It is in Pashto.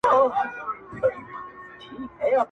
څه ترخه ترخه راګورې څه تیاره تیاره ږغېږې,